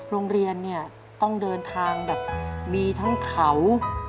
โรงเรียนเนี่ยต้องเดินทางแบบมีทั้งเขา